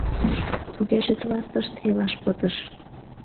Тугеже тылат тыште илаш пытыш.